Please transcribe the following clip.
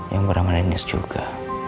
yang beramal indonesia juga